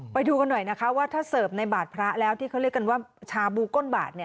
ไปดูกันหน่อยนะคะว่าถ้าเสิร์ฟในบาทพระแล้วที่เขาเรียกกันว่าชาบูก้นบาท